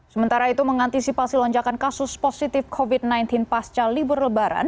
sementara itu mengantisipasi lonjakan kasus positif covid sembilan belas pasca libur lebaran